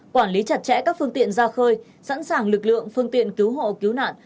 quản lý chặt chẽ các phương tiện ra khơi sẵn sàng lực lượng phương tiện cứu hộ cứu nạn